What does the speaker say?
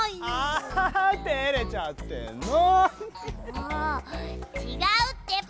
もうちがうってば！